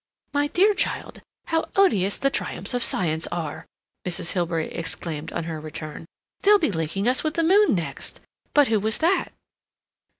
"My dear child, how odious the triumphs of science are!" Mrs. Hilbery exclaimed on her return. "They'll be linking us with the moon next—but who was that?"